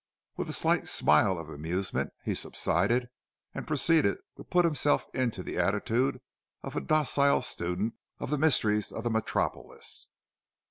With a slight smile of amusement, he subsided, and proceeded to put himself into the attitude of a docile student of the mysteries of the Metropolis.